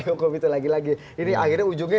hukum itu lagi lagi ini akhirnya ujungnya